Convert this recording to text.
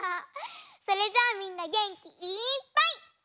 それじゃあみんなげんきいっぱいいってみよう！